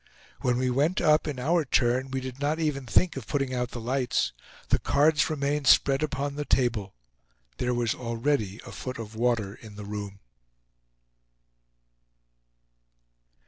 When we went up, in our turn, we did not even think of putting out the lights. The cards remained spread upon the table. There was already a foot of water in the room.